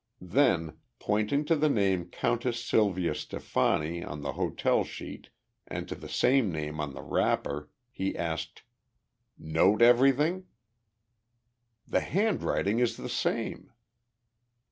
Then, pointing to the name "Countess Sylvia Stefani" on the hotel sheet and to the same name on the wrapper, he asked, "Note everything?" "The handwriting is the same!"